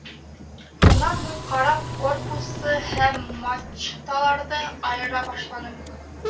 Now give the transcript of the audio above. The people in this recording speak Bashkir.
Унан һуң карап корпусы һәм мачталарҙы айыра башланым.